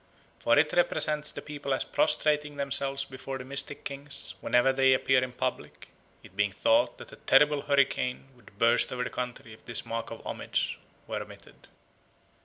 For it represents the people as prostrating themselves before the mystic kings whenever they appear in public, it being thought that a terrible hurricane would burst over the country if this mark of homage were omitted.